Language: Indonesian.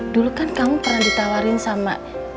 dulu kan kamu pernah ditawarin sama